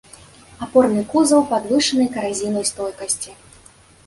Апорны кузаў падвышанай каразійнай стойкасці.